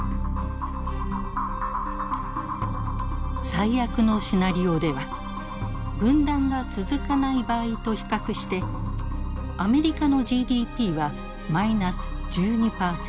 最悪のシナリオでは分断が続かない場合と比較してアメリカのＧＤＰはマイナス１２％。